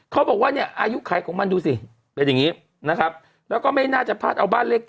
เขาบอกว่าเนี่ยอายุไขของมันดูสิเป็นอย่างนี้นะครับแล้วก็ไม่น่าจะพลาดเอาบ้านเลขที่